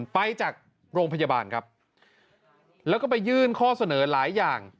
ไปจากโรงพยาบาลครับแล้วก็ไปยื่นข้อเสนอหลายอย่าง